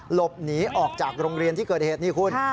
หลบหนีออกจากโรงเรียนที่เกิดเหตุนี่คุณ